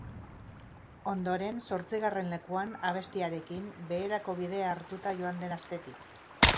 Ondoren, zortzigarren lekuan, abestiarekin, beherako bidea hartuta joan den astetik.